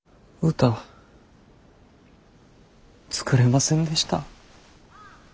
歌作れませんでした。